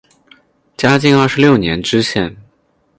嘉靖二十六年知县。